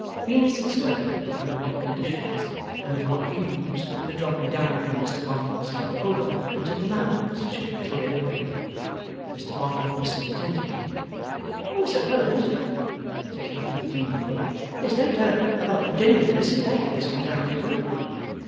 Venus explained under what conditions, and with what views, the dropping down upon Mr Boffin was held over until the Mounds should be cleared away. Mr Boffin listened attentively. 'I suppose,' said he, with a gleam of hope, 'there's no doubt about the genuineness and date of this confounded will?